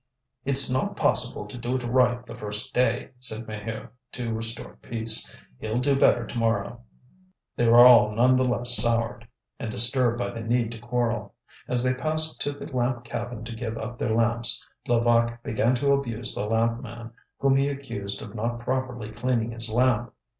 "It's not possible to do it right the first day," said Maheu, to restore peace; "he'll do better to morrow." They were all none the less soured, and disturbed by the need to quarrel. As they passed to the lamp cabin to give up their lamps, Levaque began to abuse the lamp man, whom he accused of not properly cleaning his lamp.